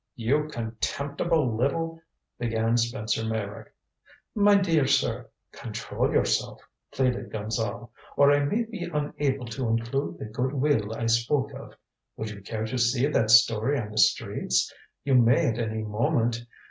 "You contemptible little " began Spencer Meyrick. "My dear sir control yourself," pleaded Gonzale. "Or I may be unable to include the good will I spoke of. Would you care to see that story on the streets? You may at any moment.